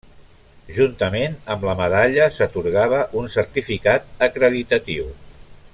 Juntament amb la medalla s'atorgava un certificat acreditatiu.